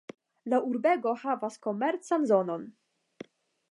La urbego havas komercan zonon.